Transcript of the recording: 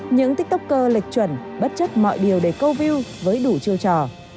những tiktoker lệch chuẩn bất chấp mọi điều để câu view với đủ chiêu trò